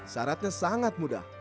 syaratnya sangat mudah